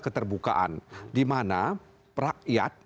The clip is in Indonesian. keterbukaan dimana rakyat